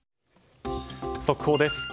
速報です。